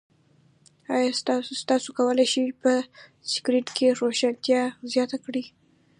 ایا تاسو کولی شئ په سکرین کې روښانتیا زیاته کړئ؟